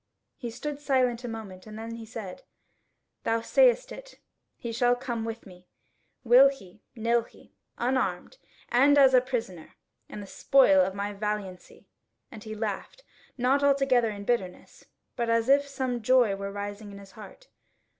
He stood silent a moment and then he said: "Thou sayest it; he shall come with me, will he, nill he, unarmed, and as a prisoner, and the spoil of my valiancy." And he laughed, not altogether in bitterness, but as if some joy were rising in his heart.